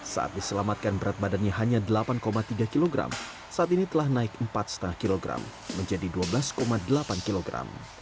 saat diselamatkan berat badannya hanya delapan tiga kg saat ini telah naik empat lima kg menjadi dua belas delapan kg